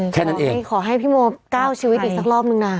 ใช่ขอให้พี่โม้ก้าวชีวิตอีกสักรอบนึงนะ